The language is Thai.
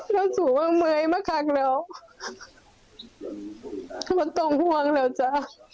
นอนสู่เมื่อยมาครับแล้วประตงฮวงแล้วจ๊ะ